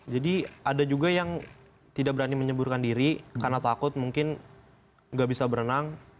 jadi ada juga yang tidak berani menceburkan diri karena takut mungkin enggak bisa berenang